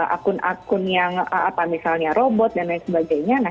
akun akun yang robot dan lain sebagainya